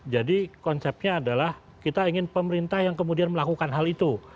jadi konsepnya adalah kita ingin pemerintah yang kemudian melakukan hal itu